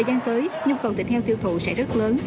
dịch heo tiêu thụ sẽ rất lớn